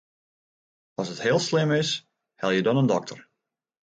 As it heel slim is, helje dan in dokter.